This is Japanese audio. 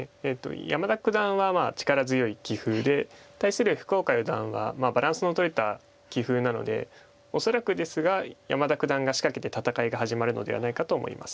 山田九段は力強い棋風で対する福岡四段はバランスのとれた棋風なので恐らくですが山田九段が仕掛けて戦いが始まるのではないかと思います。